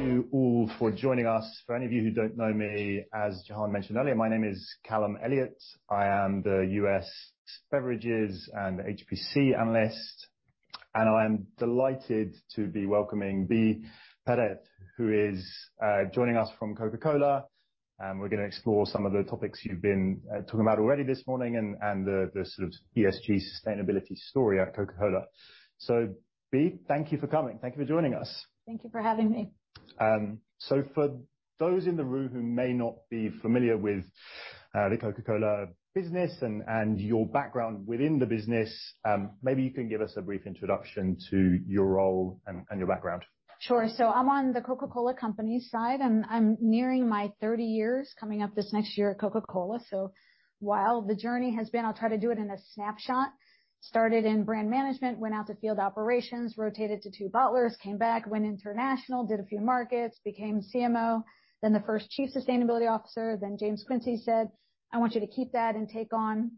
Thank you all for joining us. For any of you who don't know me, as Jahan mentioned earlier, my name is Callum Elliott. I am the U.S. Beverages and HPC Analyst, and I am delighted to be welcoming Bea Perez, who is joining us from Coca-Cola. And we're gonna explore some of the topics you've been talking about already this morning and the sort of ESG sustainability story at Coca-Cola. So, Bea, thank you for coming. Thank you for joining us. Thank you for having me. So for those in the room who may not be familiar with the Coca-Cola business and your background within the business, maybe you can give us a brief introduction to your role and your background. Sure. So I'm on the Coca-Cola Company side, and I'm nearing my 30 years, coming up this next year at Coca-Cola. So while the journey has been, I'll try to do it in a snapshot. Started in brand management, went out to field operations, rotated to two bottlers, came back, went international, did a few markets, became CMO, then the first Chief Sustainability Officer, then James Quincey said: "I want you to keep that and take on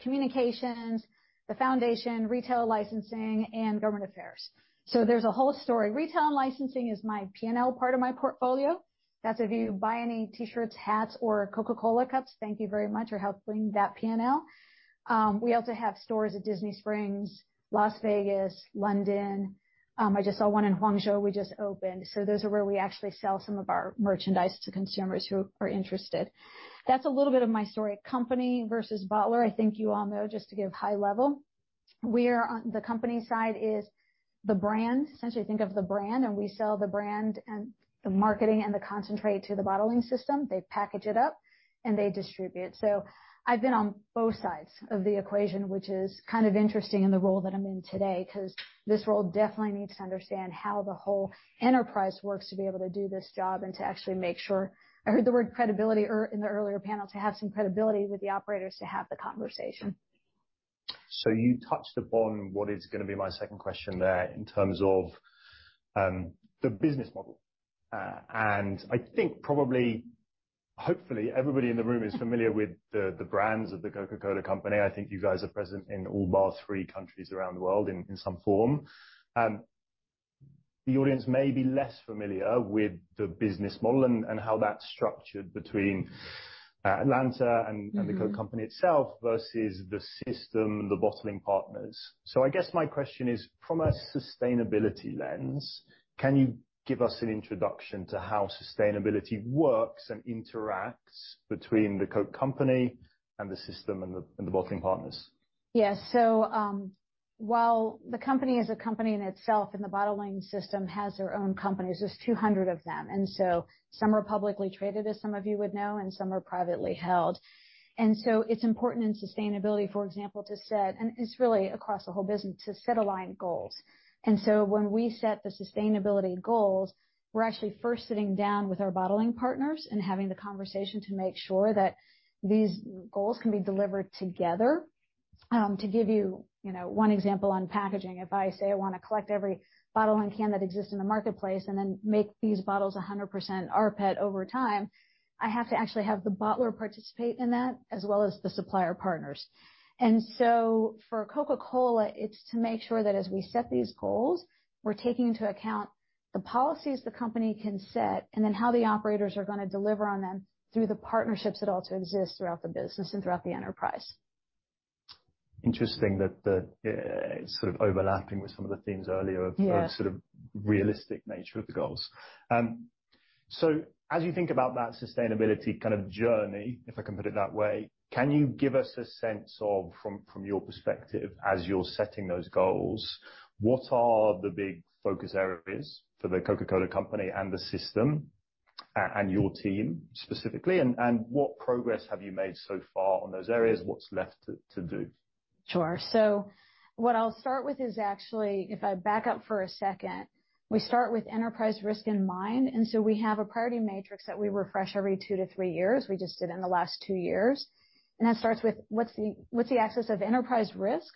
communications, the foundation, retail licensing and government affairs." So there's a whole story. Retail and licensing is my P&L part of my portfolio. That's if you buy any T-shirts, hats or Coca-Cola cups, thank you very much for helping that P&L. We also have stores at Disney Springs, Las Vegas, London. I just saw one in Hangzhou we just opened. So those are where we actually sell some of our merchandise to consumers who are interested. That's a little bit of my story. Company versus bottler, I think you all know, just to give high level. We are on the company side. The company side is the brand. Essentially, think of the brand, and we sell the brand and the marketing and the concentrate to the bottling system. They package it up, and they distribute. So I've been on both sides of the equation, which is kind of interesting in the role that I'm in today, 'cause this role definitely needs to understand how the whole enterprise works to be able to do this job and to actually make sure I heard the word credibility earlier in the earlier panel, to have some credibility with the operators, to have the conversation. So you touched upon what is gonna be my second question there in terms of, the business model. I think probably, hopefully, everybody in the room is familiar with the, the brands of The Coca-Cola Company. I think you guys are present in all but three countries around the world in, in some form. The audience may be less familiar with the business model and, and how that's structured between, Atlanta and- Mm-hmm. The Coke Company itself versus the system, the bottling partners. So I guess my question is, from a sustainability lens, can you give us an introduction to how sustainability works and interacts between the Coke Company and the system and the bottling partners? Yes. So, while the company is a company in itself, and the bottling system has their own companies, there's 200 of them, and so some are publicly traded, as some of you would know, and some are privately held. So it's important in sustainability, for example, to set, and it's really across the whole business, to set aligned goals. And so when we set the sustainability goals, we're actually first sitting down with our bottling partners and having the conversation to make sure that these goals can be delivered together. To give you, you know, one example on packaging, if I say I wanna collect every bottle and can that exists in the marketplace and then make these bottles 100% rPET over time, I have to actually have the bottler participate in that as well as the supplier partners. For Coca-Cola, it's to make sure that as we set these goals, we're taking into account the policies the company can set, and then how the operators are gonna deliver on them through the partnerships that also exist throughout the business and throughout the enterprise. Interesting that the, it's sort of overlapping with some of the themes earlier- Yeah... of sort of realistic nature of the goals. So as you think about that sustainability kind of journey, if I can put it that way, can you give us a sense of, from your perspective as you're setting those goals, what are the big focus areas for The Coca-Cola Company and the system, and your team specifically, and what progress have you made so far on those areas? What's left to do? Sure. So what I'll start with is, actually, if I back up for a second, we start with enterprise risk in mind, and so we have a priority matrix that we refresh every two-three years. We just did it in the last two years, and that starts with what's the access of enterprise risk,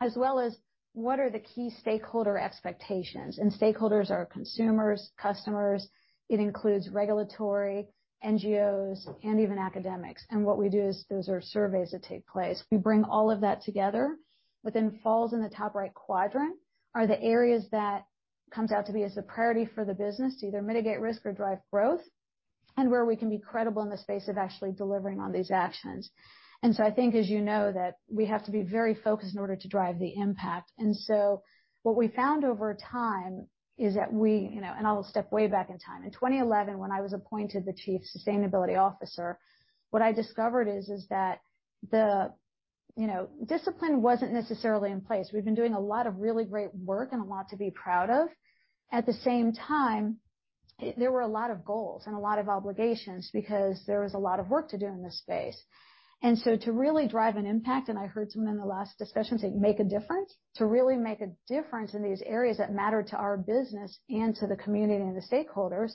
as well as what are the key stakeholder expectations? And stakeholders are consumers, customers. It includes regulatory, NGOs, and even academics. And what we do is, those are surveys that take place. We bring all of that together; what then falls in the top right quadrant are the areas that comes out to be as a priority for the business to either mitigate risk or drive growth, and where we can be credible in the space of actually delivering on these actions. So I think, as you know, that we have to be very focused in order to drive the impact. So what we found over time is that we, you know, and I'll step way back in time. In 2011, when I was appointed the Chief Sustainability Officer, what I discovered is that the, you know, discipline wasn't necessarily in place. We've been doing a lot of really great work and a lot to be proud of. At the same time, there were a lot of goals and a lot of obligations because there was a lot of work to do in this space. So to really drive an impact, and I heard some in the last discussion say, make a difference, to really make a difference in these areas that matter to our business and to the community and the stakeholders,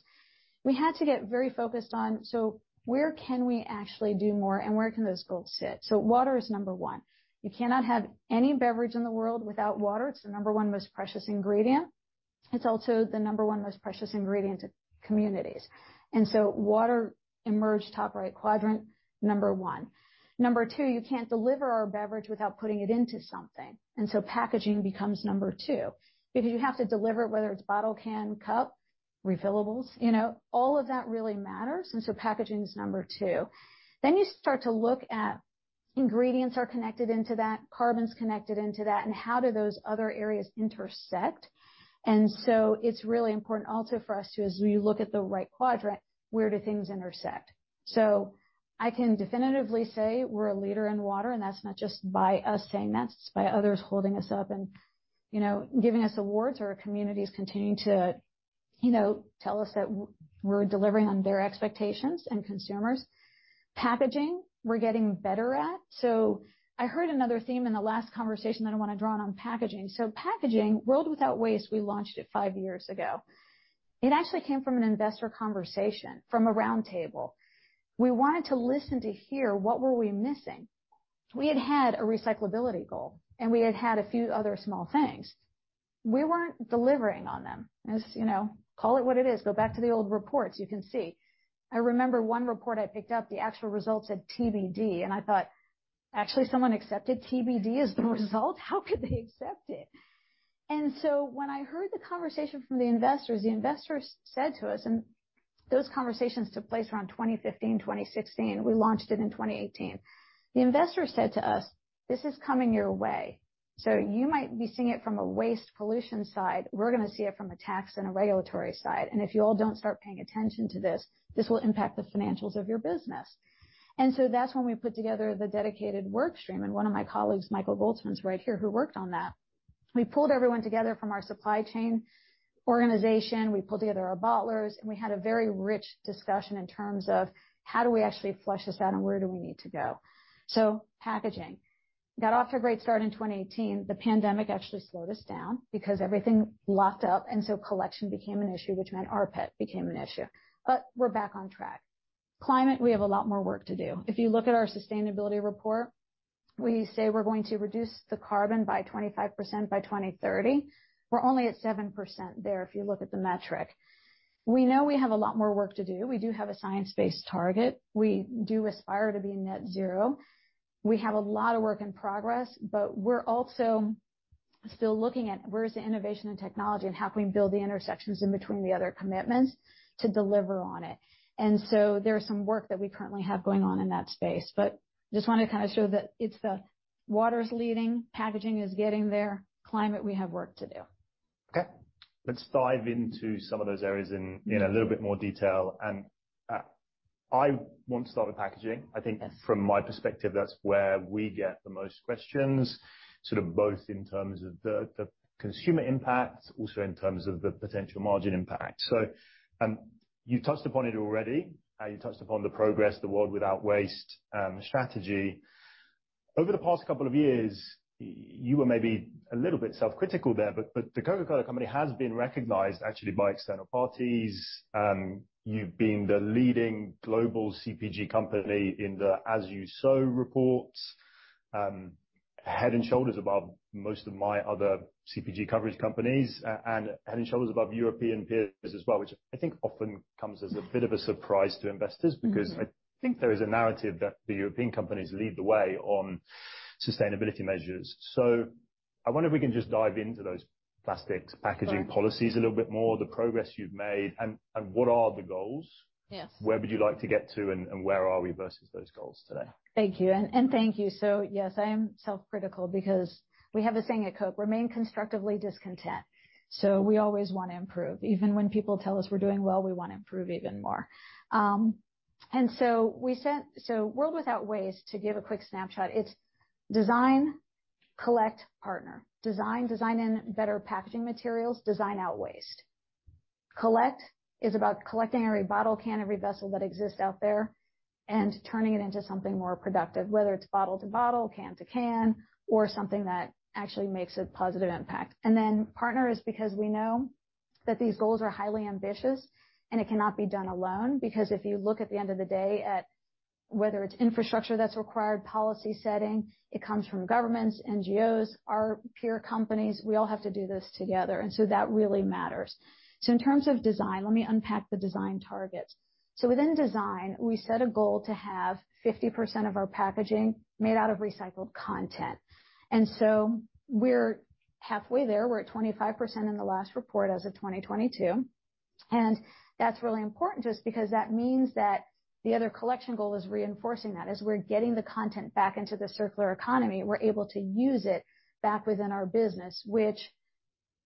we had to get very focused on: So where can we actually do more, and where can those goals sit? So water is number one. You cannot have any beverage in the world without water. It's the number one most precious ingredient. It's also the number 1 most precious ingredient to communities. And so water emerged top right quadrant, number one. Number two, you can't deliver our beverage without putting it into something, and so packaging becomes number two. Because you have to deliver it, whether it's bottle, can, cup, refillables, you know, all of that really matters, and so packaging is number two. Then you start to look at ingredients are connected into that, carbon's connected into that, and how do those other areas intersect? So it's really important also for us to, as we look at the right quadrant, where do things intersect? So I can definitively say we're a leader in water, and that's not just by us saying that, it's by others holding us up and, you know, giving us awards or our communities continuing to, you know, tell us that we're delivering on their expectations and consumers. Packaging, we're getting better at. So I heard another theme in the last conversation that I wanna draw on, on packaging. So packaging, World Without Waste, we launched it five years ago. It actually came from an investor conversation, from a roundtable. We wanted to listen, to hear what were we missing? We had had a recyclability goal, and we had had a few other small things. We weren't delivering on them. As, you know, call it what it is. Go back to the old reports, you can see. I remember one report I picked up, the actual results said TBD, and I thought, "Actually, someone accepted TBD as the result? How could they accept it?" And so when I heard the conversation from the investors, the investors said to us, and those conversations took place around 2015, 2016. We launched it in 2018. The investors said to us: "This is coming your way, so you might be seeing it from a waste pollution side. We're gonna see it from a tax and a regulatory side. And if you all don't start paying attention to this, this will impact the financials of your business." So that's when we put together the dedicated work stream, and one of my colleagues, Michael Goltzman, is right here, who worked on that. We pulled everyone together from our supply chain organization. We pulled together our bottlers, and we had a very rich discussion in terms of how do we actually flesh this out, and where do we need to go? So packaging. Got off to a great start in 2018. The pandemic actually slowed us down because everything locked up, and so collection became an issue, which meant rPET became an issue. But we're back on track. Climate, we have a lot more work to do. If you look at our sustainability report, we say we're going to reduce the carbon by 25% by 2030. We're only at 7% there, if you look at the metric. We know we have a lot more work to do. We do have a science-based target. We do aspire to be net zero. We have a lot of work in progress, but we're also still looking at where is the innovation and technology, and how can we build the intersections in between the other commitments to deliver on it. And so there is some work that we currently have going on in that space, but just wanted to kind of show that it's the water's leading, packaging is getting there, climate, we have work to do. Okay. Let's dive into some of those areas in a little bit more detail. And, I want to start with packaging. I think from my perspective, that's where we get the most questions, sort of both in terms of the consumer impact, also in terms of the potential margin impact. So, you've touched upon it already, you touched upon the progress, the World Without Waste strategy. Over the past couple of years, you were maybe a little bit self-critical there, but The Coca-Cola Company has been recognized actually by external parties. You've been the leading global CPG company in the As You Sow reports, head and shoulders above most of my other CPG coverage companies, and head and shoulders above European peers as well, which I think often comes as a bit of a surprise to investors. Mm-hmm. Because I think there is a narrative that the European companies lead the way on sustainability measures. I wonder if we can just dive into those plastics packaging policies- Sure. A little bit more, the progress you've made, and what are the goals? Yes. Where would you like to get to, and where are we versus those goals today? Thank you. And thank you. So, yes, I am self-critical because we have a saying at Coke, "Remain constructively discontent." So we always wanna improve. Even when people tell us we're doing well, we wanna improve even more. And so we set. So World Without Waste, to give a quick snapshot, it's design, collect, partner. Design, design in better packaging materials, design out waste. Collect is about collecting every bottle, can, every vessel that exists out there and turning it into something more productive, whether it's bottle-to-bottle, can to can, or something that actually makes a positive impact. Then partner is because we know that these goals are highly ambitious, and it cannot be done alone, because if you look at the end of the day, at whether it's infrastructure that's required, policy setting, it comes from governments, NGOs, our peer companies, we all have to do this together, and so that really matters. In terms of design, let me unpack the design targets. Within design, we set a goal to have 50% of our packaging made out of recycled content. And so we're halfway there. We're at 25% in the last report as of 2022. And that's really important just because that means that the other collection goal is reinforcing that. As we're getting the content back into the circular economy, we're able to use it back within our business, which,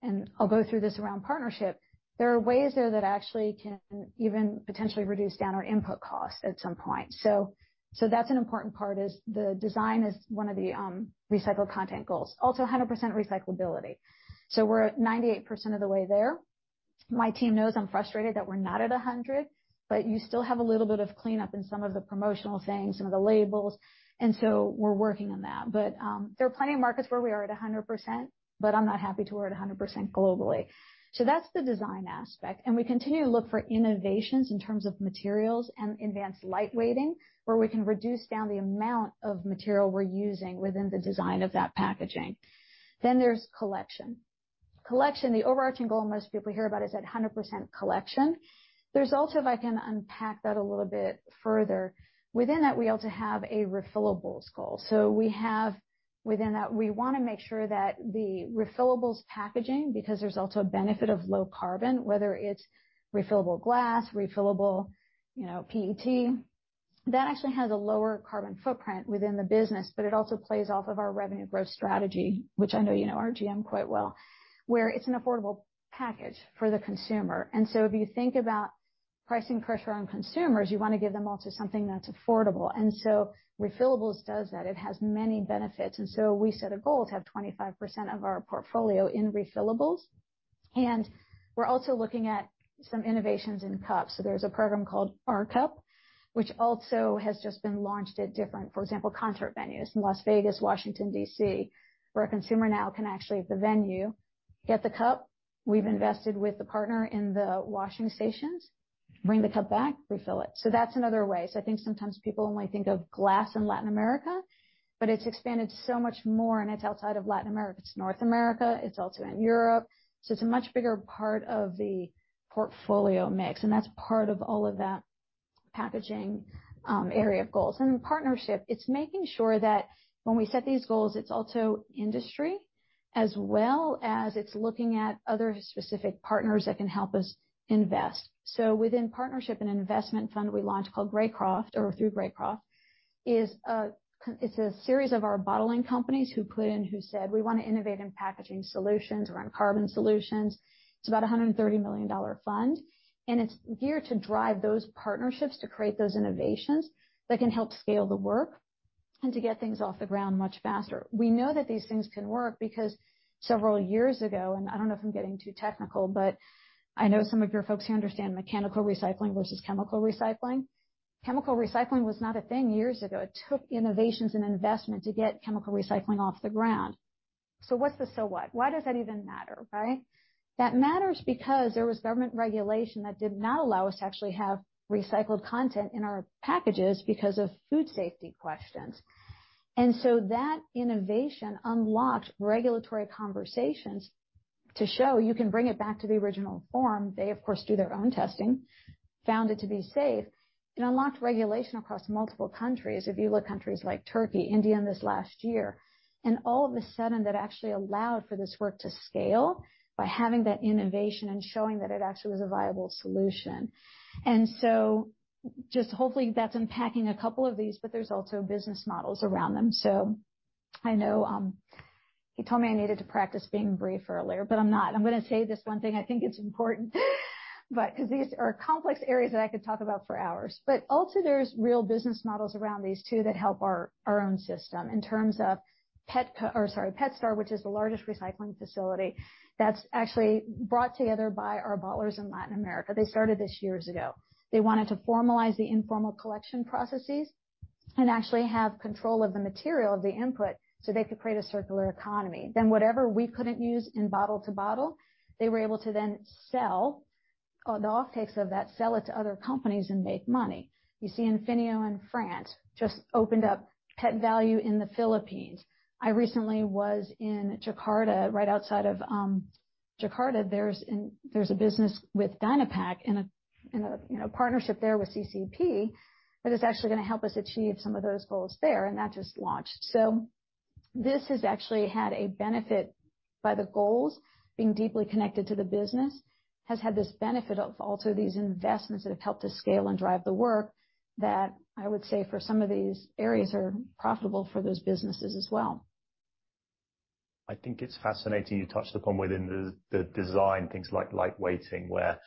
and I'll go through this around partnership, there are ways there that actually can even potentially reduce down our input costs at some point. So that's an important part, is the design is one of the recycled content goals. Also, 100% recyclability. So we're at 98% of the way there. My team knows I'm frustrated that we're not at 100, but you still have a little bit of cleanup in some of the promotional things, some of the labels, and so we're working on that. But there are plenty of markets where we are at 100%, but I'm not happy till we're at 100% globally. So that's the design aspect, and we continue to look for innovations in terms of materials and advanced lightweighting, where we can reduce down the amount of material we're using within the design of that packaging. Then there's collection... collection, the overarching goal most people hear about is that 100% collection. There's also, if I can unpack that a little bit further, within that, we also have a refillables goal. So we have, within that, we wanna make sure that the refillables packaging, because there's also a benefit of low carbon, whether it's refillable glass, refillable, you know, PET, that actually has a lower carbon footprint within the business, but it also plays off of our revenue growth strategy, which I know you know our GM quite well, where it's an affordable package for the consumer. If you think about pricing pressure on consumers, you wanna give them also something that's affordable. Refillables does that. It has many benefits. We set a goal to have 25% of our portfolio in refillables, and we're also looking at some innovations in cups. There's a program called Our Cup, which has just been launched at different, for example, concert venues in Las Vegas, Washington, D.C., where a consumer now can actually, at the venue, get the cup. We've invested with the partner in the washing stations, bring the cup back, refill it. That's another way. I think sometimes people only think of glass in Latin America, but it's expanded so much more, and it's outside of Latin America. It's North America, it's also in Europe, so it's a much bigger part of the portfolio mix, and that's part of all of that packaging area of goals. And partnership, it's making sure that when we set these goals, it's also industry, as well as it's looking at other specific partners that can help us invest. So within partnership and investment fund, we launched, called Greycroft, or through Greycroft, it's a series of our bottling companies who put in, who said, "We wanna innovate in packaging solutions, around carbon solutions." It's about $130 million fund, and it's geared to drive those partnerships, to create those innovations that can help scale the work and to get things off the ground much faster. We know that these things can work because several years ago, and I don't know if I'm getting too technical, but I know some of your folks here understand mechanical recycling versus chemical recycling. Chemical recycling was not a thing years ago. It took innovations and investment to get chemical recycling off the ground. So what's the so what? Why does that even matter, right? That matters because there was government regulation that did not allow us to actually have recycled content in our packages because of food safety questions. And so that innovation unlocked regulatory conversations to show you can bring it back to the original form. They, of course, do their own testing, found it to be safe and unlocked regulation across multiple countries. If you look at countries like Turkey, India, in this last year, and all of a sudden, that actually allowed for this work to scale by having that innovation and showing that it actually was a viable solution. So just hopefully, that's unpacking a couple of these, but there's also business models around them. So I know, he told me I needed to practice being brief earlier, but I'm not. I'm gonna say this one thing, I think it's important, but 'cause these are complex areas that I could talk about for hours. But also there's real business models around these too, that help our own system in terms of Petco, or sorry, PetStar, which is the largest recycling facility that's actually brought together by our bottlers in Latin America. They started this years ago. They wanted to formalize the informal collection processes and actually have control of the material, of the input, so they could create a circular economy. Then whatever we couldn't use in bottle-to-bottle, they were able to then sell the off takes of that, sell it to other companies and make money. You see, Infinio in France just opened up PETValue in the Philippines. I recently was in Jakarta. Right outside of Jakarta, there's a business with Dynapack and a partnership there with CCP, that is actually gonna help us achieve some of those goals there, and that just launched. This has actually had a benefit by the goals being deeply connected to the business, has had this benefit of also these investments that have helped us scale and drive the work that I would say, for some of these areas, are profitable for those businesses as well. I think it's fascinating, you touched upon within the design, things like lightweighting, where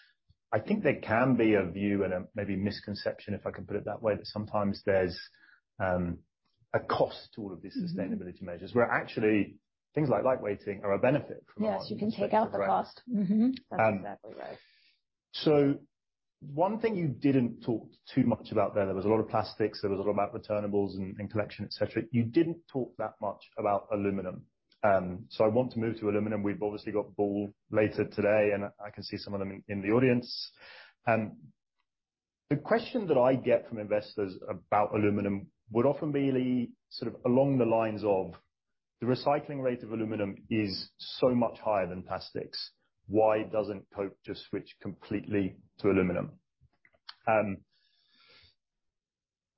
I think there can be a view and a maybe misconception, if I can put it that way, that sometimes there's a cost to all of these- Mm. sustainability measures, where actually things like lightweighting are a benefit from a- Yes, you can take out the cost. Correct. Mm-hmm. That's exactly right. So one thing you didn't talk too much about there. There was a lot of plastics. There was a lot about returnables and collection, et cetera. You didn't talk that much about aluminum, so I want to move to aluminum. We've obviously got Ball later today, and I can see some of them in the audience. The question that I get from investors about aluminum would often be sort of along the lines of: the recycling rate of aluminum is so much higher than plastics. Why doesn't Coke just switch completely to aluminum?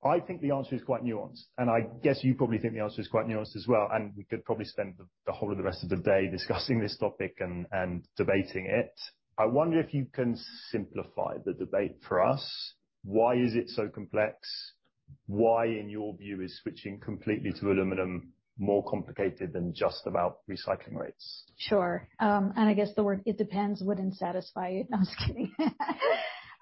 I think the answer is quite nuanced, and I guess you probably think the answer is quite nuanced as well, and we could probably spend the whole of the rest of the day discussing this topic and debating it. I wonder if you can simplify the debate for us. Why is it so complex? Why, in your view, is switching completely to aluminum more complicated than just about recycling rates? Sure. And I guess the word it depends wouldn't satisfy. I'm just kidding.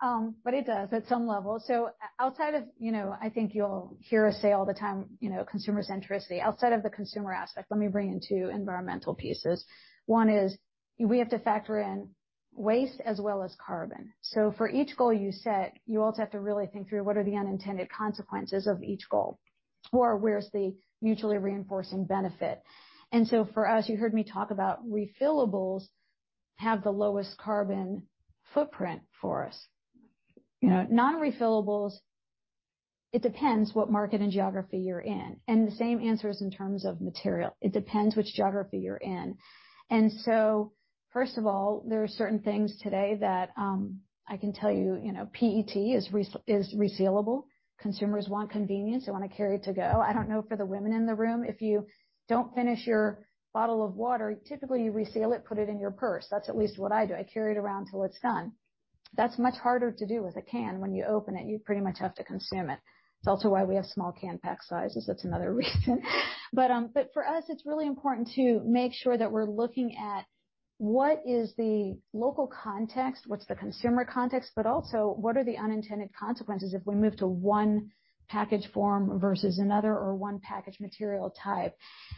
But it does at some level. So outside of, you know, I think you'll hear us say all the time, you know, consumer centricity. Outside of the consumer aspect, let me bring in two environmental pieces. One is we have to factor in waste as well as carbon. So for each goal you set, you also have to really think through what are the unintended consequences of each goal? Or where's the mutually reinforcing benefit? And so for us, you heard me talk about refillables have the lowest carbon footprint for us. You know, non-refillables. It depends what market and geography you're in, and the same answer is in terms of material. It depends which geography you're in. So first of all, there are certain things today that, I can tell you, you know, PET is resealable. Consumers want convenience. They want to carry it to go. I don't know for the women in the room, if you don't finish your bottle of water, typically, you reseal it, put it in your purse. That's at least what I do. I carry it around till it's gone. That's much harder to do with a can. When you open it, you pretty much have to consume it. It's also why we have small can pack sizes. That's another reason. But for us, it's really important to make sure that we're looking at what is the local context, what's the consumer context, but also what are the unintended consequences if we move to one package form versus another or one package material type.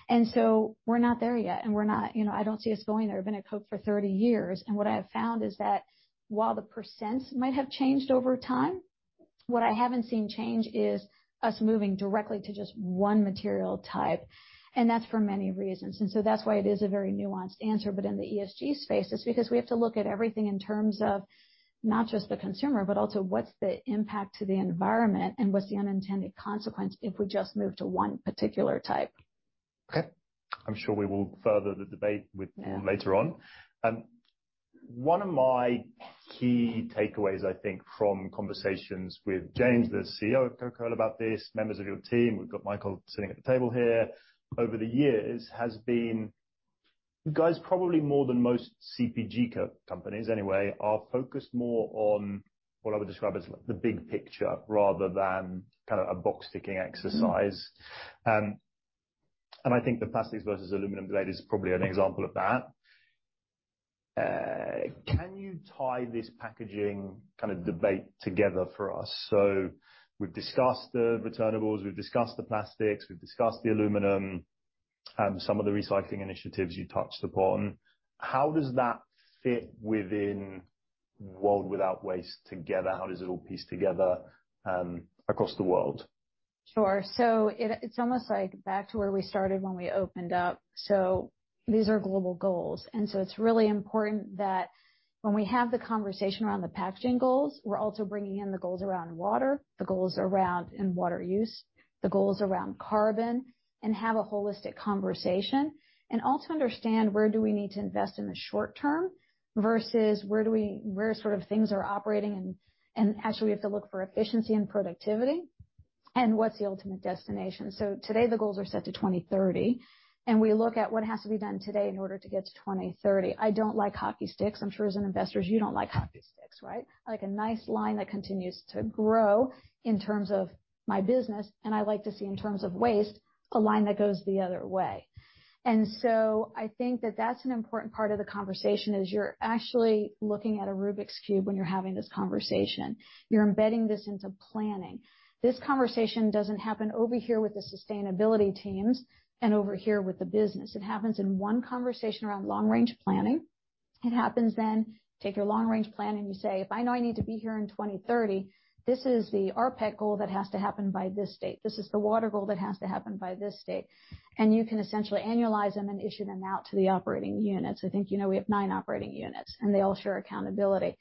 And so we're not there yet, and we're not, you know, I don't see us going there. I've been at Coke for 30 years, and what I have found is that while the percents might have changed over time, what I haven't seen change is us moving directly to just one material type, and that's for many reasons. And so that's why it is a very nuanced answer. But in the ESG space, it's because we have to look at everything in terms of not just the consumer, but also what's the impact to the environment and what's the unintended consequence if we just move to one particular type. Okay. I'm sure we will further the debate with you later on. Yeah. One of my key takeaways, I think, from conversations with James, the CEO of Coca-Cola, about this, members of your team, we've got Michael sitting at the table here, over the years, has been you guys, probably more than most CPG companies anyway, are focused more on what I would describe as the big picture rather than kind of a box-ticking exercise. Mm-hmm. And I think the plastics versus aluminum debate is probably an example of that. Can you tie this packaging kind of debate together for us? So we've discussed the returnables, we've discussed the plastics, we've discussed the aluminum and some of the recycling initiatives you touched upon. How does that fit within World Without Waste together? How does it all piece together, across the world? Sure. So it's almost like back to where we started when we opened up. So these are global goals, and so it's really important that when we have the conversation around the packaging goals, we're also bringing in the goals around water, the goals around, and water use, the goals around carbon, and have a holistic conversation. And also understand where do we need to invest in the short term versus where do we, where sort of things are operating, and, and actually, we have to look for efficiency and productivity and what's the ultimate destination. So today, the goals are set to 2030, and we look at what has to be done today in order to get to 2030. I don't like hockey sticks. I'm sure as investors, you don't like hockey sticks, right? I like a nice line that continues to grow in terms of my business, and I like to see in terms of waste, a line that goes the other way. And so I think that that's an important part of the conversation, is you're actually looking at a Rubik's Cube when you're having this conversation. You're embedding this into planning. This conversation doesn't happen over here with the sustainability teams and over here with the business. It happens in one conversation around long-range planning. It happens then, take your long-range plan and you say: If I know I need to be here in 2030, this is the rPET goal that has to happen by this date. This is the water goal that has to happen by this date. And you can essentially annualize them and issue them out to the operating units. I think, you know, we have nine operating units, and they all share accountability.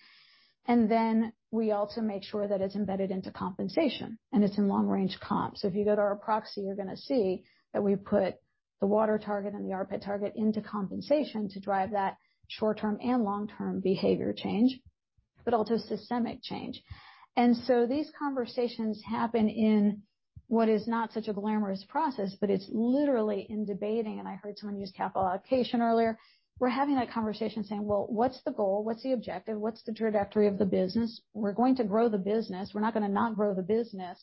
And then we also make sure that it's embedded into compensation, and it's in long-range comp. So if you go to our proxy, you're going to see that we put the water target and the rPET target into compensation to drive that short-term and long-term behavior change, but also systemic change. And so these conversations happen in what is not such a glamorous process, but it's literally in debating, and I heard someone use capital allocation earlier. We're having that conversation saying: Well, what's the goal? What's the objective? What's the trajectory of the business? We're going to grow the business. We're not going to not grow the business.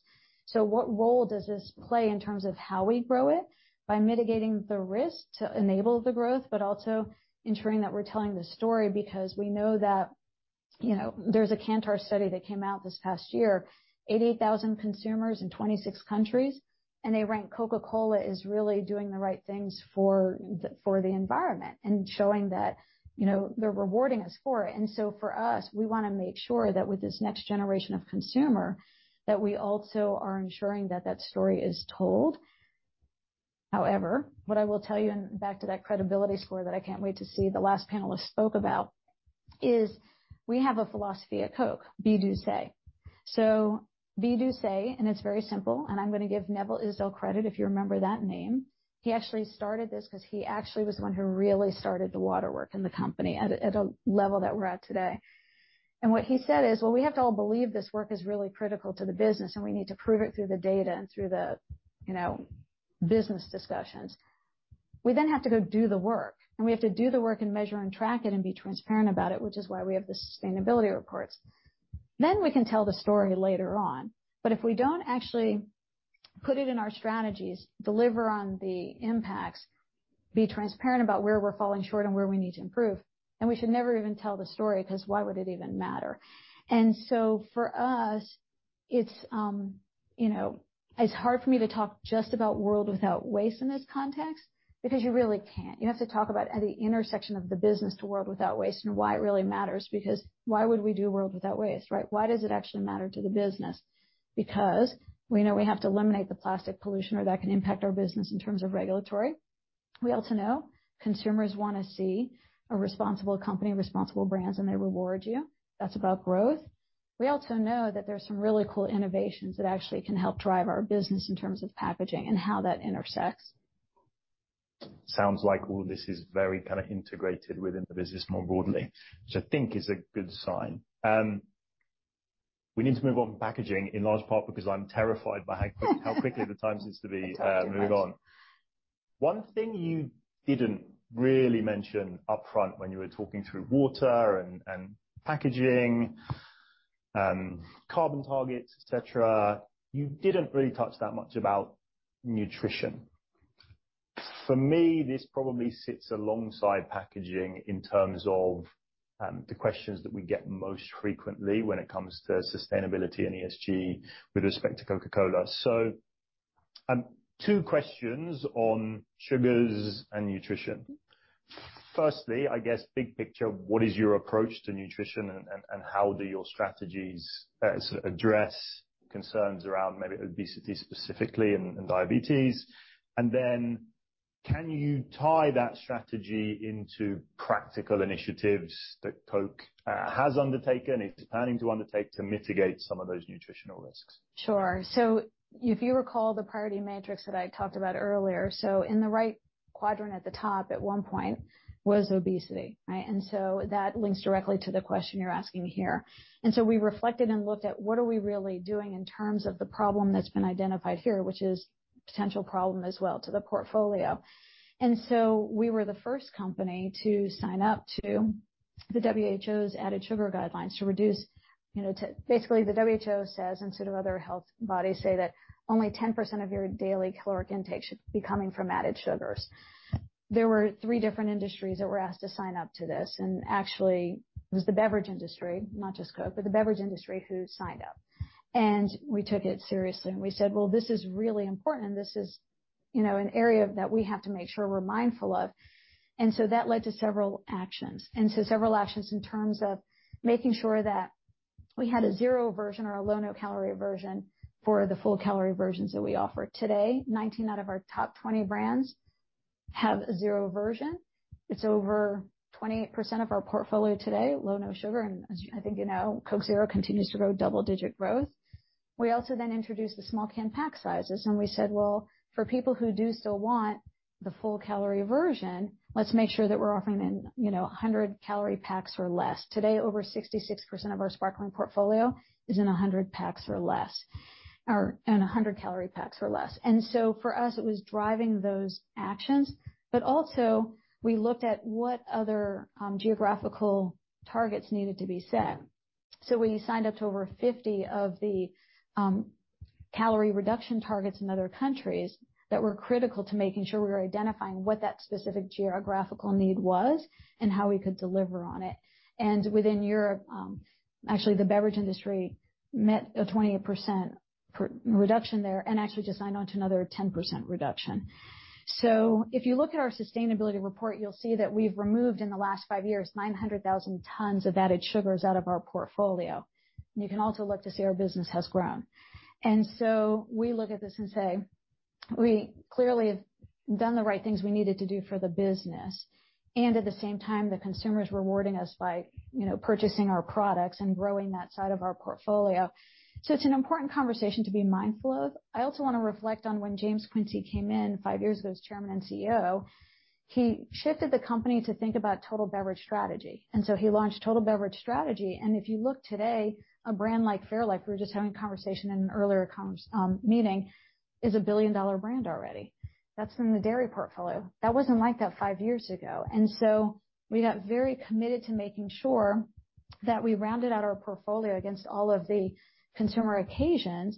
So what role does this play in terms of how we grow it? By mitigating the risk to enable the growth, but also ensuring that we're telling the story, because we know that, you know, there's a Kantar study that came out this past year, 88,000 consumers in 26 countries, and they rank Coca-Cola as really doing the right things for the, for the environment and showing that, you know, they're rewarding us for it. And so for us, we want to make sure that with this next generation of consumer, that we also are ensuring that that story is told. However, what I will tell you, and back to that credibility score that I can't wait to see, the last panelist spoke about, is we have a philosophy at Coke, Be, Do, Say. So Be, Do, Say, and it's very simple, and I'm going to give Neville Isdell credit, if you remember that name. He actually started this because he actually was the one who really started the water work in the company at a level that we're at today. And what he said is: Well, we have to all believe this work is really critical to the business, and we need to prove it through the data and through the, you know, business discussions. We then have to go do the work, and we have to do the work and measure and track it and be transparent about it, which is why we have the sustainability reports. Then we can tell the story later on, but if we don't actually put it in our strategies, deliver on the impacts, be transparent about where we're falling short and where we need to improve, then we should never even tell the story, because why would it even matter? For us, it's, you know, it's hard for me to talk just about World Without Waste in this context, because you really can't. You have to talk about at the intersection of the business to World Without Waste and why it really matters, because why would we do World Without Waste, right? Why does it actually matter to the business? Because we know we have to eliminate the plastic pollution or that can impact our business in terms of regulatory.... We also know consumers want to see a responsible company, responsible brands, and they reward you. That's about growth. We also know that there are some really cool innovations that actually can help drive our business in terms of packaging and how that intersects. Sounds like all this is very kind of integrated within the business more broadly, which I think is a good sign. We need to move on packaging in large part because I'm terrified by how quickly the time seems to be moving on. One thing you didn't really mention upfront when you were talking through water and packaging, carbon targets, et cetera, you didn't really touch that much about nutrition. For me, this probably sits alongside packaging in terms of the questions that we get most frequently when it comes to sustainability and ESG with respect to Coca-Cola. So, two questions on sugars and nutrition. Firstly, I guess, big picture, what is your approach to nutrition and how do your strategies address concerns around maybe obesity specifically and diabetes? Then, can you tie that strategy into practical initiatives that Coke has undertaken, it's planning to undertake to mitigate some of those nutritional risks? Sure. So if you recall the priority matrix that I talked about earlier, so in the right quadrant at the top, at one point was obesity, right? And so that links directly to the question you're asking here. And so we reflected and looked at what are we really doing in terms of the problem that's been identified here, which is potential problem as well to the portfolio. And so we were the first company to sign up to the WHO's added sugar guidelines to reduce, you know, basically, the WHO says, and sort of other health bodies say that only 10% of your daily caloric intake should be coming from added sugars. There were three different industries that were asked to sign up to this, and actually, it was the beverage industry, not just Coke, but the beverage industry who signed up. And we took it seriously and we said, "Well, this is really important, and this is, you know, an area that we have to make sure we're mindful of." And so that led to several actions, and so several actions in terms of making sure that we had a zero version or a low, no-calorie version for the full-calorie versions that we offer today. 19 out of our top 20 brands have a zero version. It's over 28% of our portfolio today, low, no sugar, and as I think you know, Coke Zero continues to grow double-digit growth. We also then introduced the small can pack sizes, and we said: Well, for people who do still want the full-calorie version, let's make sure that we're offering it in, you know, 100-calorie packs or less. Today, over 66% of our sparkling portfolio is in 100 packs or less, or in 100-calorie packs or less. So for us, it was driving those actions, but also we looked at what other geographical targets needed to be set. So we signed up to over 50 of the calorie reduction targets in other countries that were critical to making sure we were identifying what that specific geographical need was and how we could deliver on it. Within Europe actually, the beverage industry met a 28% reduction there and actually just signed on to another 10% reduction. So if you look at our sustainability report, you'll see that we've removed, in the last five years, 900,000 tons of added sugars out of our portfolio. You can also look to see our business has grown. And so we look at this and say, "We clearly have done the right things we needed to do for the business, and at the same time, the consumer is rewarding us by, you know, purchasing our products and growing that side of our portfolio." So it's an important conversation to be mindful of. I also want to reflect on when James Quincey came in five years ago as chairman and CEO, he shifted the company to think about Total Beverage Strategy, and so he launched Total Beverage Strategy. And if you look today, a brand like Fairlife, we were just having a conversation in an earlier meeting, is a billion-dollar brand already. That's from the dairy portfolio. That wasn't like that five years ago. And so we got very committed to making sure that we rounded out our portfolio against all of the consumer occasions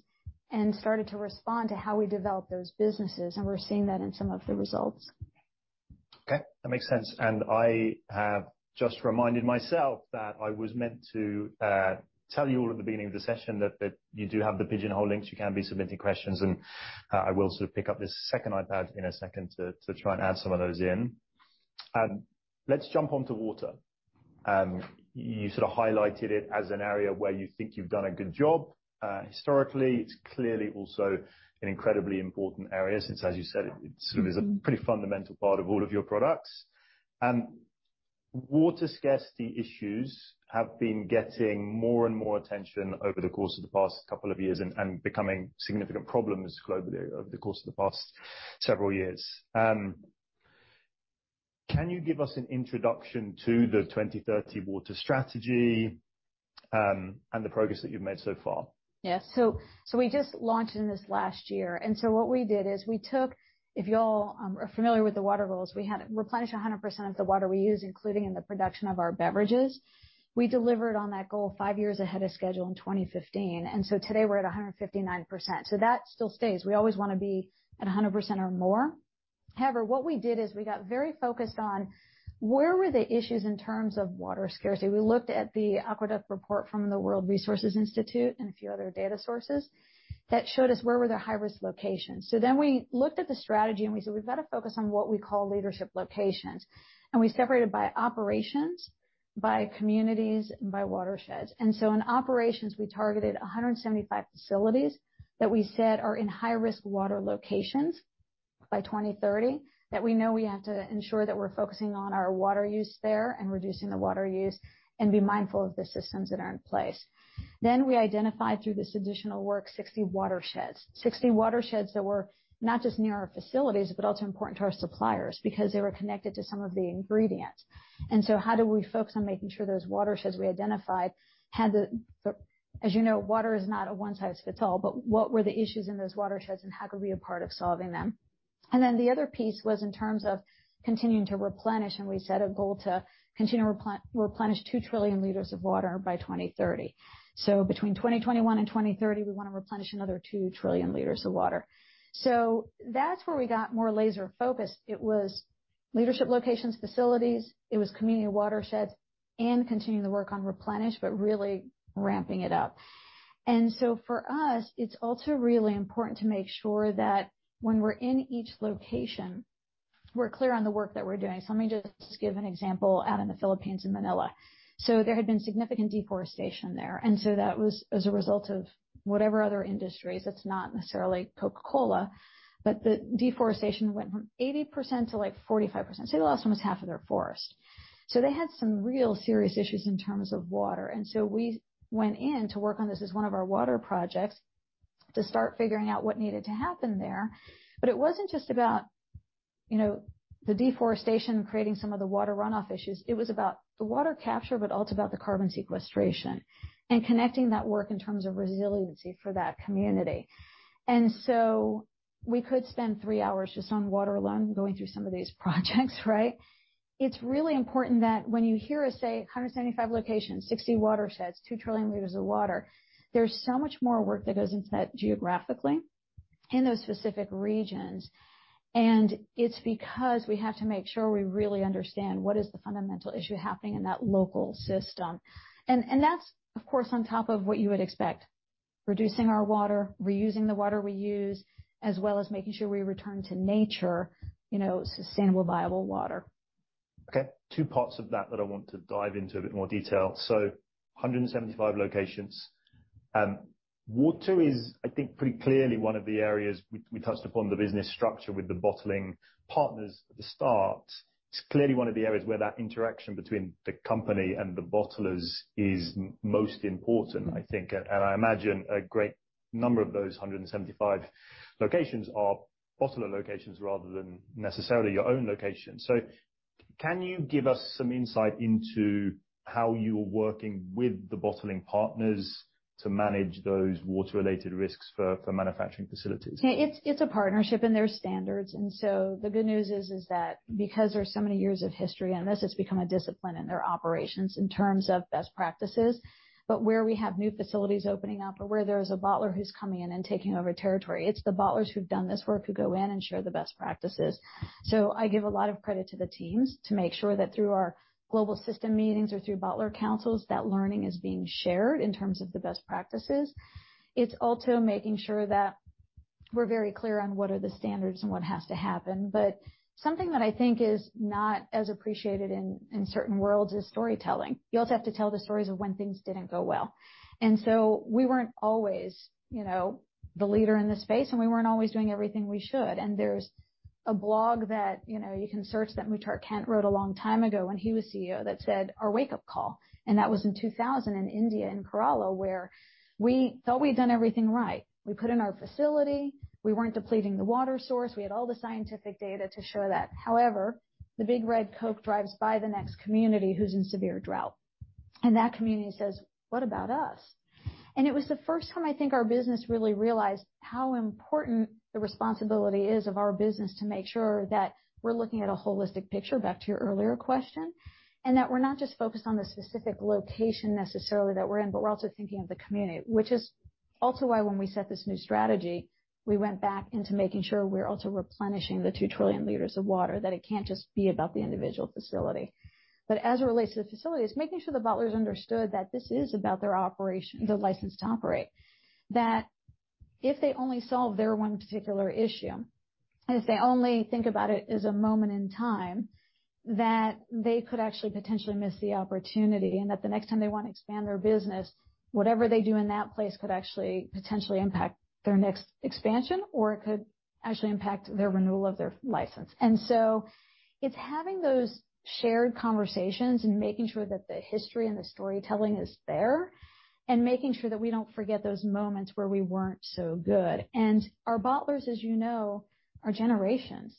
and started to respond to how we develop those businesses, and we're seeing that in some of the results. Okay, that makes sense. I have just reminded myself that I was meant to tell you all at the beginning of the session that you do have the Pigeonhole links. You can be submitting questions, and I will sort of pick up this second iPad in a second to try and add some of those in. Let's jump on to water. You sort of highlighted it as an area where you think you've done a good job. Historically, it's clearly also an incredibly important area since, as you said, it sort of is a pretty fundamental part of all of your products. Water scarcity issues have been getting more and more attention over the course of the past couple of years and becoming significant problems globally over the course of the past several years. Can you give us an introduction to the 2030 Water Strategy, and the progress that you've made so far? Yes. So, so we just launched in this last year, and so what we did is we took, if you all are familiar with the water goals, we had replenished 100% of the water we used, including in the production of our beverages. We delivered on that goal five years ahead of schedule in 2015, and so today we're at 159%. So that still stays. We always wanna be at 100% or more. However, what we did is we got very focused on where were the issues in terms of water scarcity. We looked at the Aqueduct report from the World Resources Institute and a few other data sources that showed us where were the high-risk locations. So then we looked at the strategy, and we said: We've got to focus on what we call leadership locations, and we separated by operations, by communities, and by watersheds. And so in operations, we targeted 175 facilities that we said are in high-risk water locations by 2030, that we know we have to ensure that we're focusing on our water use there and reducing the water use and be mindful of the systems that are in place. Then we identified, through this additional work, 60 watersheds. 60 watersheds that were not just near our facilities, but also important to our suppliers, because they were connected to some of the ingredients. And so how do we focus on making sure those watersheds we identified had the, as you know, water is not a one-size-fits-all, but what were the issues in those watersheds, and how could we be a part of solving them? And then the other piece was in terms of continuing to replenish, and we set a goal to continue replenish 2 trillion liters of water by 2030. So between 2021 and 2030, we want to replenish another 2 trillion liters of water. So that's where we got more laser focused. It was leadership locations, facilities, it was community watersheds, and continuing the work on replenish, but really ramping it up. And so for us, it's also really important to make sure that when we're in each location, we're clear on the work that we're doing. So let me just give an example out in the Philippines, in Manila. So there had been significant deforestation there, and so that was as a result of whatever other industries. It's not necessarily Coca-Cola, but the deforestation went from 80% to, like, 45%. So they lost almost half of their forest. So they had some real serious issues in terms of water, and so we went in to work on this as one of our water projects, to start figuring out what needed to happen there. But it wasn't just about, you know, the deforestation, creating some of the water runoff issues. It was about the water capture, but also about the carbon sequestration and connecting that work in terms of resiliency for that community. And so we could spend three hours just on water alone, going through some of these projects, right? It's really important that when you hear us say 175 locations, 60 watersheds, 2 trillion liters of water, there's so much more work that goes into that geographically in those specific regions. It's because we have to make sure we really understand what is the fundamental issue happening in that local system. That's, of course, on top of what you would expect, reducing our water, reusing the water we use, as well as making sure we return to nature, you know, sustainable, viable water. Okay, two parts of that that I want to dive into a bit more detail. So 175 locations. Water is, I think, pretty clearly one of the areas we, we touched upon the business structure with the bottling partners at the start. It's clearly one of the areas where that interaction between the company and the bottlers is most important, I think, and, and I imagine a great number of those 175 locations are bottler locations rather than necessarily your own locations. So can you give us some insight into how you're working with the bottling partners to manage those water-related risks for, for manufacturing facilities? Yeah, it's a partnership, and there are standards. And so the good news is that because there's so many years of history on this, it's become a discipline in their operations in terms of best practices. But where we have new facilities opening up or where there is a bottler who's coming in and taking over territory, it's the bottlers who've done this work who go in and share the best practices. So I give a lot of credit to the teams to make sure that through our global system meetings or through bottler councils, that learning is being shared in terms of the best practices. It's also making sure that we're very clear on what are the standards and what has to happen. But something that I think is not as appreciated in certain worlds is storytelling. You also have to tell the stories of when things didn't go well. And so we weren't always, you know, the leader in this space, and we weren't always doing everything we should. And there's a blog that, you know, you can search, that Muhtar Kent wrote a long time ago when he was CEO, that said, "Our wake-up call," and that was in 2000, in India, in Kerala, where we thought we'd done everything right. We put in our facility. We weren't depleting the water source. We had all the scientific data to show that. However, the big red Coke drives by the next community who's in severe drought, and that community says: What about us? And it was the first time I think our business really realized how important the responsibility is of our business to make sure that we're looking at a holistic picture, back to your earlier question, and that we're not just focused on the specific location necessarily that we're in, but we're also thinking of the community. Which is also why when we set this new strategy, we went back into making sure we're also replenishing the 2 trillion liters of water, that it can't just be about the individual facility. But as it relates to the facilities, making sure the bottlers understood that this is about their operation, their license to operate. That if they only solve their one particular issue, and if they only think about it as a moment in time, that they could actually potentially miss the opportunity, and that the next time they want to expand their business, whatever they do in that place could actually potentially impact their next expansion, or it could actually impact their renewal of their license. So it's having those shared conversations and making sure that the history and the storytelling is there, and making sure that we don't forget those moments where we weren't so good. Our bottlers, as you know, are generations.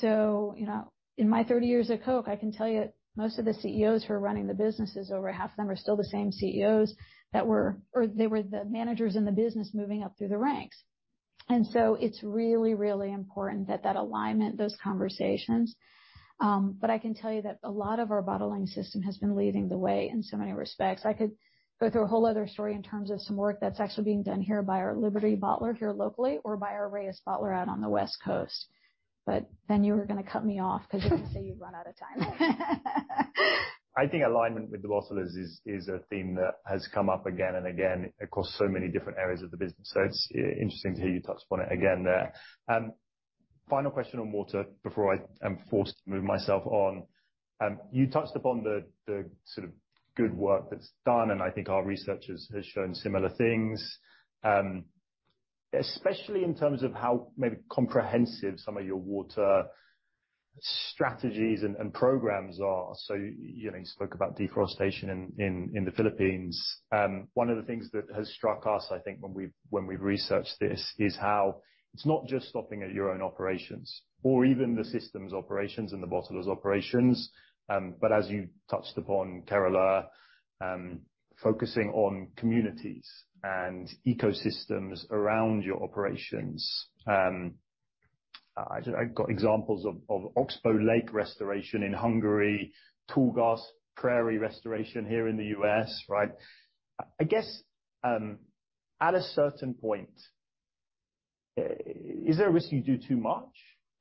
So, you know, in my 30 years at Coke, I can tell you, most of the CEOs who are running the businesses, over half of them are still the same CEOs that were—or they were the managers in the business moving up through the ranks. And so it's really, really important that, that alignment, those conversations, but I can tell you that a lot of our bottling system has been leading the way in so many respects. I could go through a whole other story in terms of some work that's actually being done here by our Liberty bottler here locally or by our Reyes bottler out on the West Coast. But then you were going to cut me off, because you can say you've run out of time. I think alignment with the bottlers is a theme that has come up again and again across so many different areas of the business, so it's interesting to hear you touch upon it again there. Final question on water before I am forced to move myself on. You touched upon the sort of good work that's done, and I think our research has shown similar things. Especially in terms of how maybe comprehensive some of your water strategies and programs are. So, you know, you spoke about deforestation in the Philippines. One of the things that has struck us, I think when we've researched this, is how it's not just stopping at your own operations or even the systems operations and the bottlers operations, but as you touched upon Kerala, focusing on communities and ecosystems around your operations. I've got examples of Oxbow Lake Restoration in Hungary, Tallgrass Prairie Restoration here in the U.S., right? I guess at a certain point, is there a risk you do too much?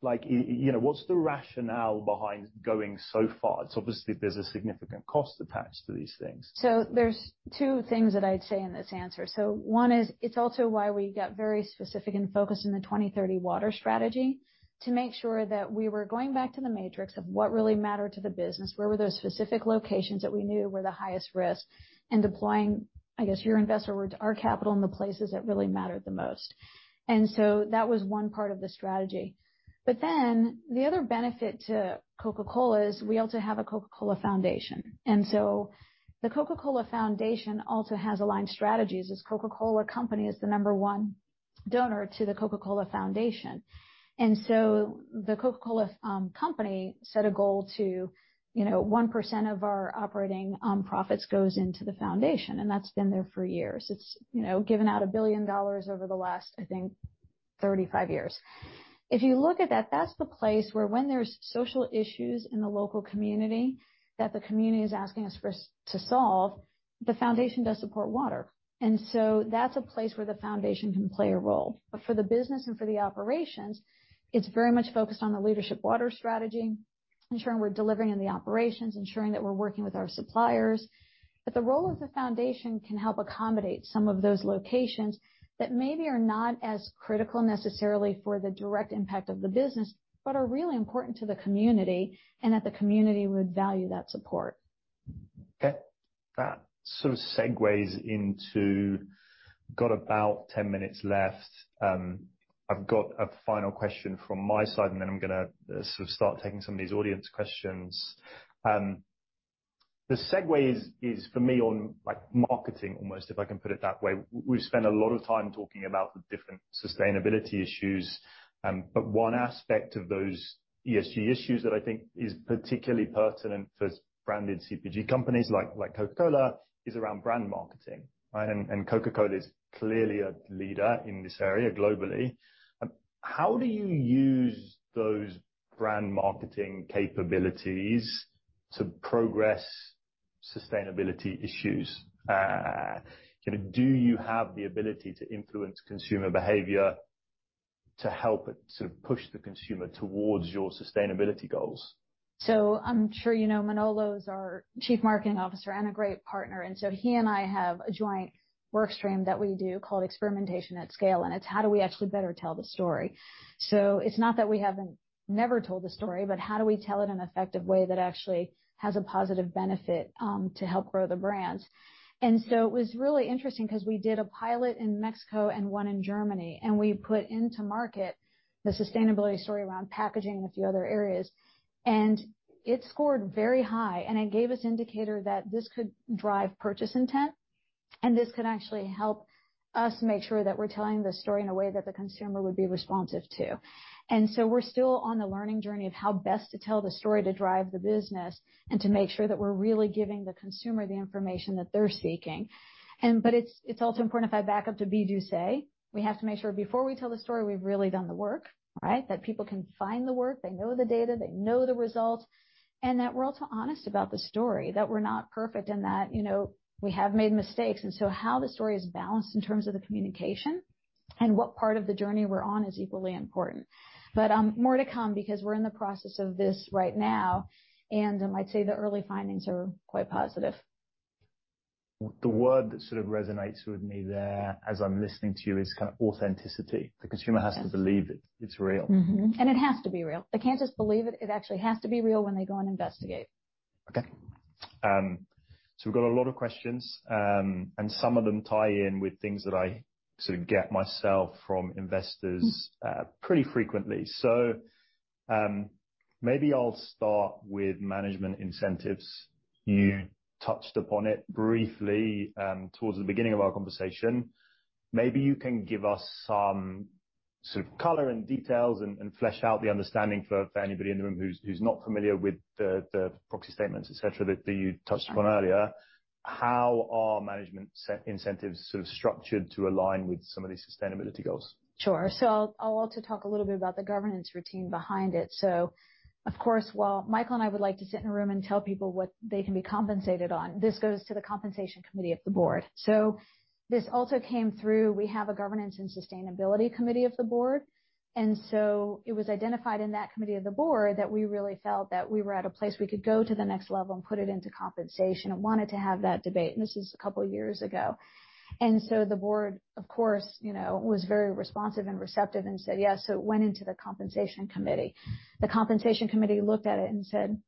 Like, you know, what's the rationale behind going so far? It's obviously there's a significant cost attached to these things. So there's two things that I'd say in this answer. So one is, it's also why we got very specific and focused in the 2030 Water Strategy, to make sure that we were going back to the matrix of what really mattered to the business, where were those specific locations that we knew were the highest risk, and deploying, I guess, your investor words, our capital in the places that really mattered the most. And so that was one part of the strategy. But then, the other benefit to Coca-Cola is we also have a Coca-Cola Foundation. And so the Coca-Cola Foundation also has aligned strategies, as Coca-Cola Company is the number one donor to the Coca-Cola Foundation. And so the Coca-Cola Company set a goal to, you know, 1% of our operating profits goes into the foundation, and that's been there for years. It's, you know, given out $1 billion over the last, I think, 35 years. If you look at that, that's the place where when there's social issues in the local community, that the community is asking us for to solve, the foundation does support water. And so that's a place where the foundation can play a role. But for the business and for the operations, it's very much focused on the leadership water strategy, ensuring we're delivering in the operations, ensuring that we're working with our suppliers. But the role of the foundation can help accommodate some of those locations that maybe are not as critical necessarily for the direct impact of the business, but are really important to the community, and that the community would value that support. Okay. That sort of segues into... Got about 10 minutes left. I've got a final question from my side, and then I'm gonna sort of start taking some of these audience questions. The segue is for me on, like, marketing, almost, if I can put it that way. We've spent a lot of time talking about the different sustainability issues, but one aspect of those ESG issues that I think is particularly pertinent for branded CPG companies like, like Coca-Cola, is around brand marketing, right? And, and Coca-Cola is clearly a leader in this area globally. How do you use those brand marketing capabilities to progress sustainability issues? You know, do you have the ability to influence consumer behavior to help it sort of push the consumer towards your sustainability goals? So I'm sure you know Manolo is our Chief Marketing Officer and a great partner, and so he and I have a joint work stream that we do called Experimentation at Scale, and it's how do we actually better tell the story? So it's not that we haven't never told the story, but how do we tell it in an effective way that actually has a positive benefit, to help grow the brands? And so it was really interesting because we did a pilot in Mexico and one in Germany, and we put into market the sustainability story around packaging and a few other areas, and it scored very high, and it gave us indicator that this could drive purchase intent, and this could actually help us make sure that we're telling the story in a way that the consumer would be responsive to. We're still on the learning journey of how best to tell the story to drive the business and to make sure that we're really giving the consumer the information that they're seeking. But it's also important if I back up to say, we have to make sure before we tell the story, we've really done the work, right? That people can find the work, they know the data, they know the results, and that we're also honest about the story, that we're not perfect and that, you know, we have made mistakes. So how the story is balanced in terms of the communication and what part of the journey we're on is equally important. But more to come because we're in the process of this right now, and I'd say the early findings are quite positive. The word that sort of resonates with me there, as I'm listening to you, is kind of authenticity. Yes. The consumer has to believe it. It's real. Mm-hmm, and it has to be real. They can't just believe it. It actually has to be real when they go and investigate. Okay. So we've got a lot of questions, and some of them tie in with things that I sort of get myself from investors- Mm. Pretty frequently. So, maybe I'll start with management incentives. You touched upon it briefly, towards the beginning of our conversation. Maybe you can give us some sort of color and details and flesh out the understanding for anybody in the room who's not familiar with the proxy statements, et cetera, that you touched upon earlier. How are management set incentives sort of structured to align with some of these sustainability goals? Sure. So I'll also talk a little bit about the governance routine behind it. So of course, while Michael and I would like to sit in a room and tell people what they can be compensated on, this goes to the Compensation Committee of the board. So this also came through... We have a Governance and Sustainability Committee of the board, and so it was identified in that committee of the board that we really felt that we were at a place we could go to the next level and put it into compensation and wanted to have that debate, and this is a couple of years ago. And so the board, of course, you know, was very responsive and receptive and said, "Yes," so it went into the compensation committee. The compensation committee looked at it and said-...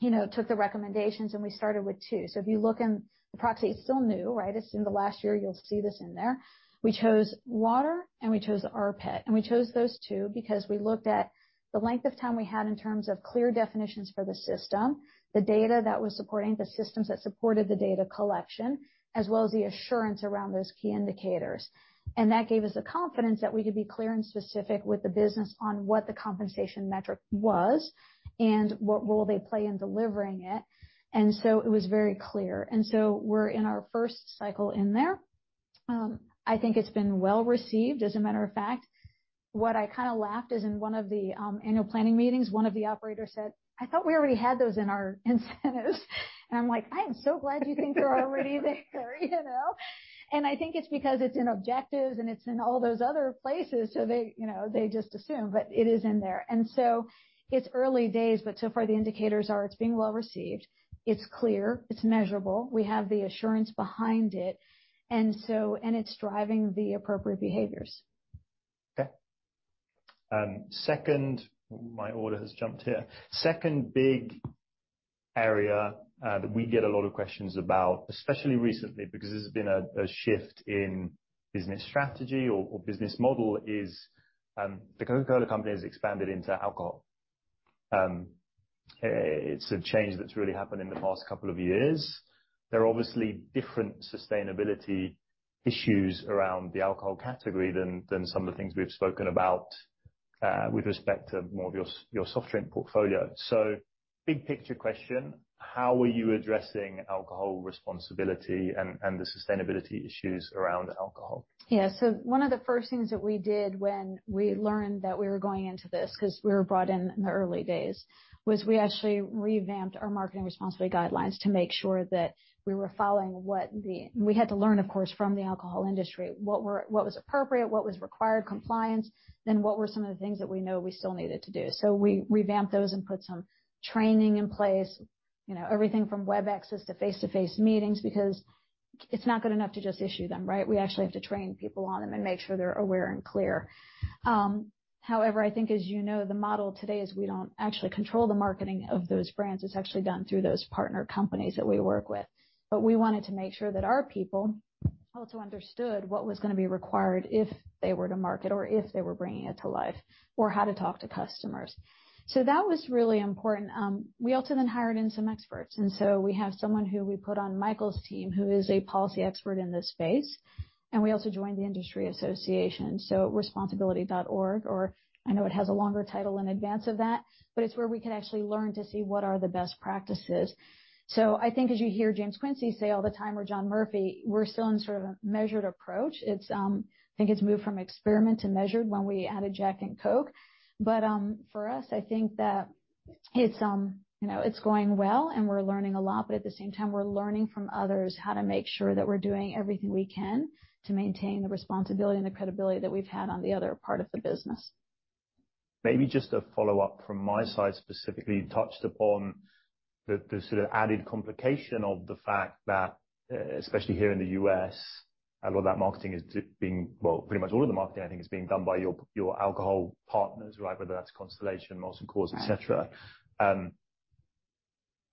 you know, took the recommendations, and we started with two. So if you look in the proxy, it's still new, right? It's in the last year, you'll see this in there. We chose water, and we chose rPET. And we chose those two because we looked at the length of time we had in terms of clear definitions for the system, the data that was supporting the systems that supported the data collection, as well as the assurance around those key indicators. And that gave us the confidence that we could be clear and specific with the business on what the compensation metric was and what role they play in delivering it. And so it was very clear. And so we're in our first cycle in there. I think it's been well received. As a matter of fact, what I kind of laughed is in one of the annual planning meetings, one of the operators said, "I thought we already had those in our incentives." And I'm like, "I am so glad you think they're already there," you know? And I think it's because it's in objectives, and it's in all those other places, so they, you know, they just assume, but it is in there. And so it's early days, but so far, the indicators are it's being well received. It's clear, it's measurable. We have the assurance behind it, and so, and it's driving the appropriate behaviors. Okay. Second, my order has jumped here. Second big area, that we get a lot of questions about, especially recently, because there's been a shift in business strategy or business model, is, the Coca-Cola Company has expanded into alcohol. It's a change that's really happened in the past couple of years. There are obviously different sustainability issues around the alcohol category than some of the things we've spoken about, with respect to more of your soft drink portfolio. So big picture question: How are you addressing alcohol responsibility and the sustainability issues around alcohol? Yeah. So one of the first things that we did when we learned that we were going into this, 'cause we were brought in in the early days, was we actually revamped our marketing responsibility guidelines to make sure that we were following what the... We had to learn, of course, from the alcohol industry, what was appropriate, what was required compliance, then what were some of the things that we know we still needed to do? So we revamped those and put some training in place, you know, everything from Webexes to face-to-face meetings, because it's not good enough to just issue them, right? We actually have to train people on them and make sure they're aware and clear. However, I think, as you know, the model today is we don't actually control the marketing of those brands. It's actually done through those partner companies that we work with. But we wanted to make sure that our people also understood what was gonna be required if they were to market or if they were bringing it to life, or how to talk to customers. So that was really important. We also then hired in some experts, and so we have someone who we put on Michael's team, who is a policy expert in this space, and we also joined the industry association, so Responsibility.org, or I know it has a longer title in advance of that, but it's where we can actually learn to see what are the best practices. So I think as you hear James Quincey say all the time, or John Murphy, we're still in sort of a measured approach. It's, I think it's moved from experiment to measured when we added Jack and Coke. But, for us, I think that it's, you know, it's going well and we're learning a lot, but at the same time, we're learning from others how to make sure that we're doing everything we can to maintain the responsibility and the credibility that we've had on the other part of the business. Maybe just a follow-up from my side, specifically, you touched upon the, the sort of added complication of the fact that, especially here in the U.S., a lot of that marketing is being... Well, pretty much all of the marketing, I think, is being done by your, your alcohol partners, right? Whether that's Constellation, Molson Coors, et cetera.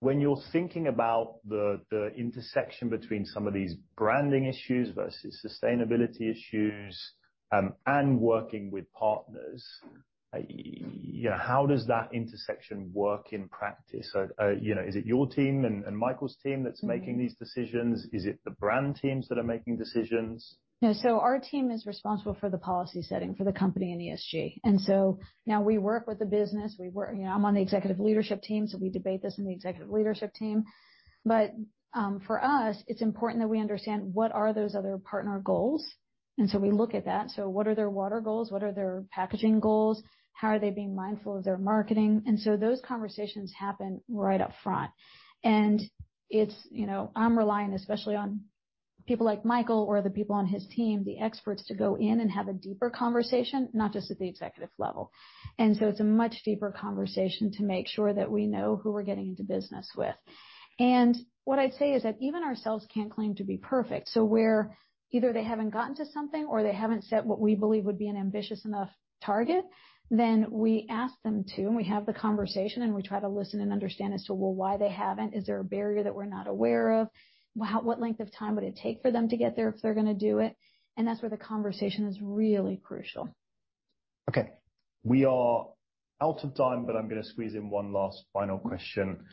When you're thinking about the, the intersection between some of these branding issues versus sustainability issues, and working with partners, you know, how does that intersection work in practice? So, you know, is it your team and, and Michael's team that's making these decisions? Is it the brand teams that are making decisions? Yeah, so our team is responsible for the policy setting for the company and ESG. And so now we work with the business. You know, I'm on the executive leadership team, so we debate this in the executive leadership team. But, for us, it's important that we understand what are those other partner goals, and so we look at that. So what are their water goals? What are their packaging goals? How are they being mindful of their marketing? And so those conversations happen right up front. And it's. You know, I'm relying, especially on people like Michael or the people on his team, the experts, to go in and have a deeper conversation, not just at the executive level. And so it's a much deeper conversation to make sure that we know who we're getting into business with. What I'd say is that even ourselves can't claim to be perfect. So where either they haven't gotten to something or they haven't set what we believe would be an ambitious enough target, then we ask them to, and we have the conversation, and we try to listen and understand as to, well, why they haven't. Is there a barrier that we're not aware of? What length of time would it take for them to get there if they're gonna do it? And that's where the conversation is really crucial. Okay. We are out of time, but I'm gonna squeeze in one last final question.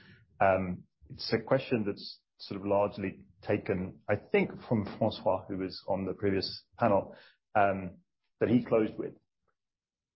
It's a question that's sort of largely taken, I think, from Francois, who was on the previous panel, that he closed with.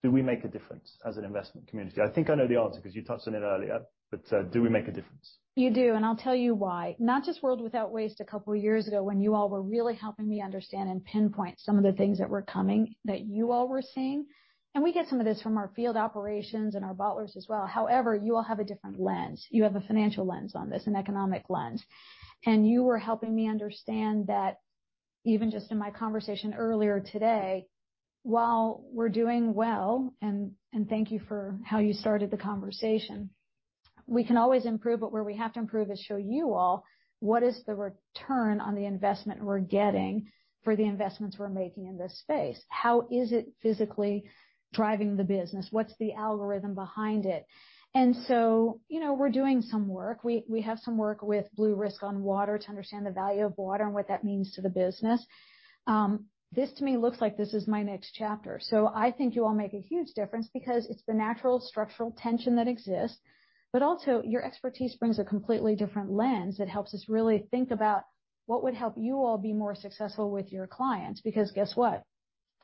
Do we make a difference as an investment community? I think I know the answer, 'cause you touched on it earlier, but do we make a difference? You do, and I'll tell you why. Not just World Without Waste a couple of years ago, when you all were really helping me understand and pinpoint some of the things that were coming, that you all were seeing, and we get some of this from our field operations and our bottlers as well. However, you all have a different lens. You have a financial lens on this, an economic lens. And you were helping me understand that even just in my conversation earlier today, while we're doing well, and thank you for how you started the conversation, we can always improve, but where we have to improve is show you all what is the return on the investment we're getting for the investments we're making in this space. How is it physically driving the business? What's the algorithm behind it? And so, you know, we're doing some work. We have some work with Bluerisk on water to understand the value of water and what that means to the business. This, to me, looks like this is my next chapter. So I think you all make a huge difference because it's the natural structural tension that exists, but also your expertise brings a completely different lens that helps us really think about what would help you all be more successful with your clients. Because guess what?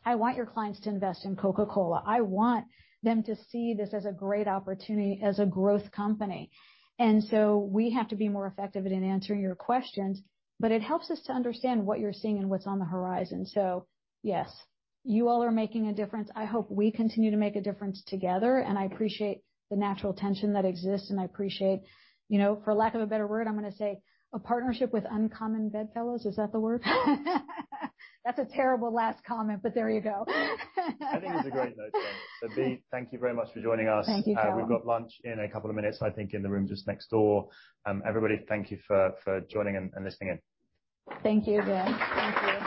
I want your clients to invest in Coca-Cola. I want them to see this as a great opportunity, as a growth company. And so we have to be more effective at answering your questions, but it helps us to understand what you're seeing and what's on the horizon. So yes, you all are making a difference. I hope we continue to make a difference together, and I appreciate the natural tension that exists, and I appreciate, you know, for lack of a better word, I'm gonna say a partnership with uncommon bedfellows. Is that the word? That's a terrible last comment, but there you go. I think it's a great note. Bea, thank you very much for joining us. Thank you, Callum. We've got lunch in a couple of minutes, I think, in the room just next door. Everybody, thank you for, for joining and, and listening in. Thank you again. Thank you.